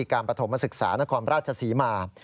การประธมศึกษานครราชสีมา